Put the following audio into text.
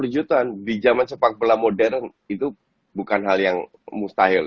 lima puluh jutaan di zaman sepak bola modern itu bukan hal yang mustahil